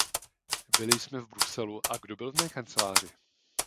Byli jsme v Bruselu a kdo byl v mé kanceláři?